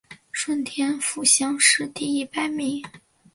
顺天府乡试第一百名。